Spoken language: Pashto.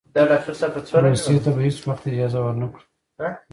روسیې ته به هېڅ وخت اجازه ورنه کړو.